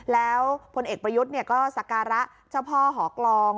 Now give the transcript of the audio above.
แล้วผลเอกประยุทธ์เนี่ยก็ศักรรณะเจ้าพ่อหอกลอง